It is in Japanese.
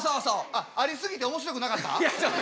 あっありすぎておもしろくなかった？